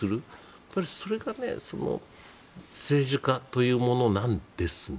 やっぱりそれが政治家というものなんですね。